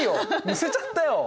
むせちゃったよ。